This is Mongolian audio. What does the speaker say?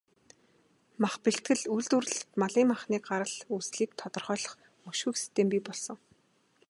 Мах бэлтгэл, үйлдвэрлэлд малын махны гарал үүслийг тодорхойлох, мөшгөх систем бий болгосон.